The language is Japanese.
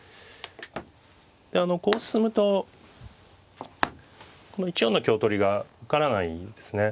こう進むとこの１四の香取りが受からないですね。